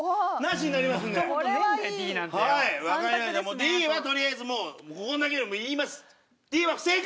Ｄはとりあえずもうここだけ言います。